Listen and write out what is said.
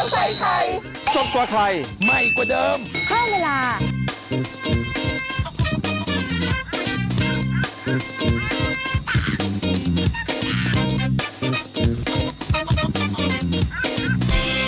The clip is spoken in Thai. คุณแม่ได้เตรียมจะแจ้งความหรือจะเอาผิดกับบางแจ๊กไหมคะ